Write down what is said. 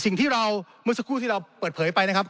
สิ่งที่เราเมื่อสักครู่ที่เราเปิดเผยไปนะครับ